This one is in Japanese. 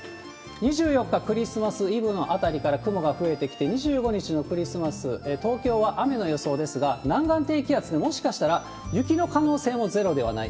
２４日クリスマスイブのあたりから雲が増えてきて、２５日のクリスマス、東京は雨の予想ですが、南岸低気圧でもしかしたら、雪の可能性もゼロではない。